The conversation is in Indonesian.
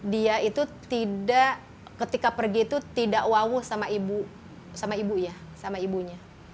dia itu tidak ketika pergi itu tidak wawu sama ibu sama ibu ya sama ibunya